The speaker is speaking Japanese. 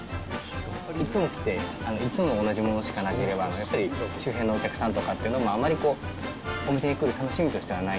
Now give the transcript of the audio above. いつも来て、いつも同じものしかなければ、やっぱり周辺のお客さんとかっていうのも、あまりお店に来る楽しみとしてはない